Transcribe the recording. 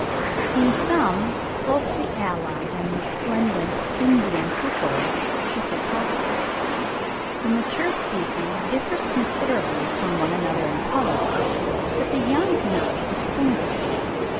In some closely allied and resplendent Indian cuckoos (Chrysococcyx), the mature species differ considerably from one another in colour, but the young cannot be distinguished.